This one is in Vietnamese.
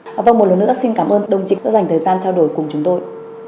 và vâng một lần nữa xin cảm ơn đông trịnh đã dành thời gian trao đổi cùng chúng tôi